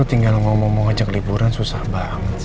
lu tinggal ngomong ngajak liburan susah banget sih